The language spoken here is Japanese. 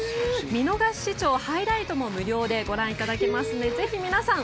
見逃し視聴、ハイライトも無料でご覧いただけますのでぜひ皆さん